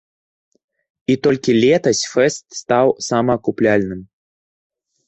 І толькі летась фэст стаў самаакупляльным.